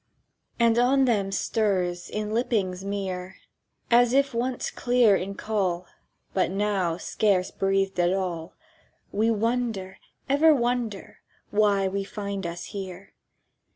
And on them stirs, in lippings mere (As if once clear in call, But now scarce breathed at all)— "We wonder, ever wonder, why we find us here!